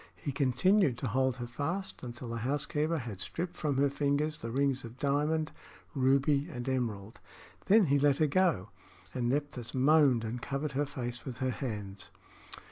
He continued to hold her fast until the housekeeper had stripped from her fingers the rings of diamond, ruby and emerald. Then he let her go, and Nephthys moaned and covered her face with her hands.